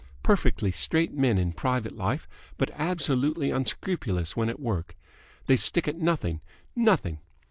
Perfectly straight men in private life, but absolutely unscrupulous when at work. They stick at nothing nothing.